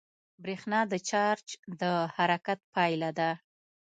برېښنا د چارج د حرکت پایله ده.